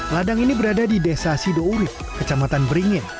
ladang ini berada di desa sido urib kecamatan beringin